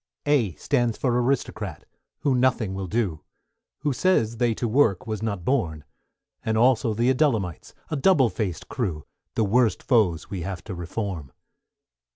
=A= stands for Aristocrat, who nothing will do, Who says they to work was not born; And also the Adullamites, a double faced crew, The worst foes we have to Reform.